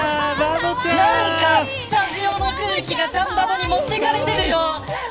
何かスタジオの空気がちゃんバボに持ってかれてるよ。